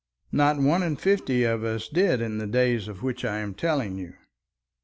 Not one in fifty of us did in the days of which I am telling you.